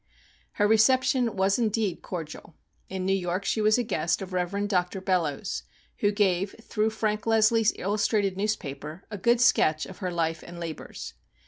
Her re ception was, indeed, cordial. In New York she was a guest of Rev, Dr, Bellows, who gave, through Frank Leslie's "111 us , trated Newspaper," a good sketch of her life and labors.